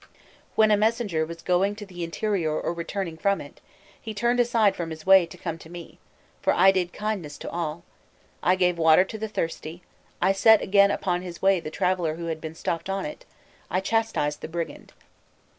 When a messenger was going to the interior or returning from it, he turned aside from his way to come to me, for I did kindness to all: I gave water to the thirsty, I set again upon his way the traveller who had been stopped on it, I chastised the brigand.